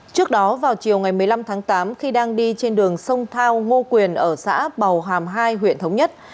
trước đó vào chiều ngày một mươi năm tháng tám khi đang đi trên đường sông thao ngô quyền ở xã bào hàm hai huyện thống nhất